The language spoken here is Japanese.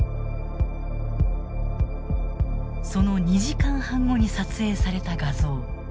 その２時間半後に撮影された画像。